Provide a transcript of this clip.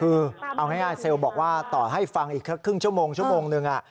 คือเอาง่ายเซลล์บอกว่าต่อให้ฟังอีกสักครึ่งชั่วโมงชั่วโมงนึง